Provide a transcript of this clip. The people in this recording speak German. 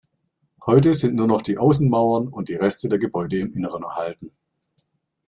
Heute sind nur noch die Außenmauern und Reste der Gebäude im Inneren erhalten.